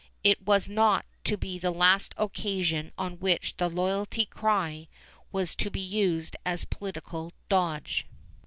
It was not to be the last occasion on which "the loyalty cry" was to be used as a political dodge.